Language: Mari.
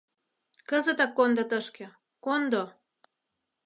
Кызытак кондо тышке, кондо!